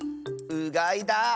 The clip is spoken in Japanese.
うがいだ！